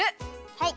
はい。